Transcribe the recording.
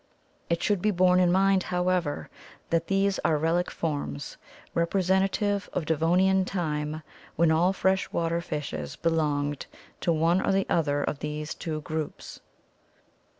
It should be borne in mind, however, that these are relic forms, representative of Devonian time when all fresh water fishes belonged to one or the other of these two groups.